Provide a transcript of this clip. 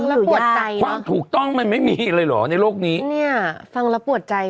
งงไหมล่ะฟังถูกต้องมันไม่มีอะไรเหรอในโรคนี้เนี่ยฟังแล้วปวดใจ